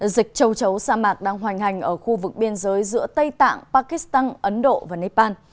dịch châu chấu sa mạc đang hoành hành ở khu vực biên giới giữa tây tạng pakistan ấn độ và nepal